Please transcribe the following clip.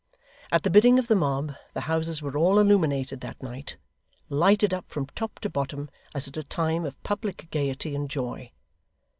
At the bidding of the mob, the houses were all illuminated that night lighted up from top to bottom as at a time of public gaiety and joy.